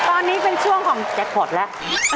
ตอนนี้เป็นช่วงของแจ็คพอร์ตแล้ว